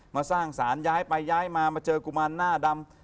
มาสร้างสารย้ายไปย้ายมามาเจอกุมารหน้าดำ